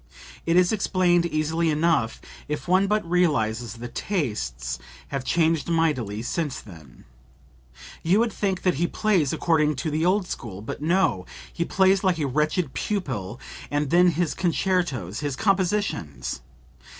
It is explained easily enough if one but realizes that tastes have changed mightily since then. You would think that he plays according to the old school; but no! he plays like a wretched pupil....And then his concertos, his compositions!